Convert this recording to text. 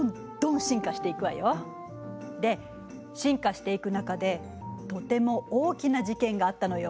で進化していく中でとても大きな事件があったのよ。